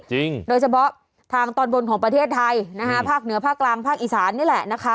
โดยเฉพาะทางตอนบนของประเทศไทยนะคะภาคเหนือภาคกลางภาคอีสานนี่แหละนะคะ